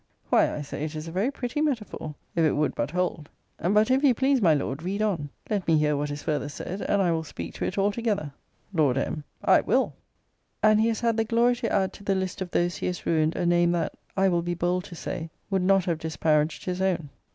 Why I say it is a very pretty metaphor, if it would but hold. But, if you please, my Lord, read on. Let me hear what is further said, and I will speak to it all together. Lord M. I will. 'And he has had the glory to add to the list of those he has ruined, a name that, I will be bold to say, would not have disparaged his own.'